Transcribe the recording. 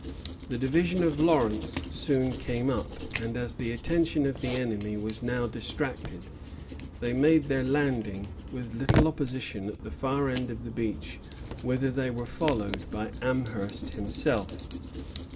The division of Lawrence soon came up; and as the attention of the enemy was now distracted, they made their landing with little opposition at the farther end of the beach, whither they were followed by Amherst himself.